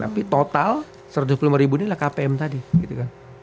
tapi total satu ratus dua puluh lima ribu inilah kpm tadi gitu kan